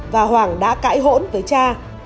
và hoàng đã cãi hỗn với cha